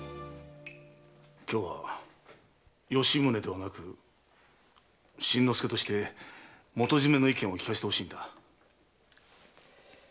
今日は吉宗ではなく新之助として元締の意見を聞かせてほしいんだ。